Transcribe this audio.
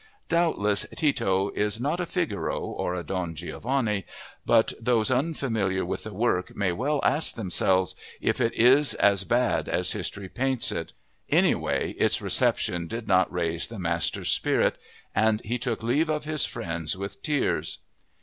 Doubtless, Tito is not a Figaro or a Don Giovanni, but those unfamiliar with the work may well ask themselves if it is as bad as history paints it. Anyway its reception did not raise the master's spirit. And he took leave of his friends with tears.